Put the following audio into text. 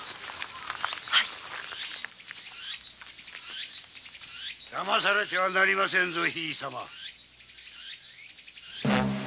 はぃ・だまされてはなりませんぞ姫様！